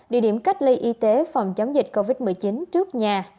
địa điểm cách ly y tế phòng chống dịch covid một mươi chín trước nhà